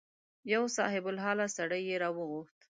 یو صاحب الحاله سړی یې راوغوښت.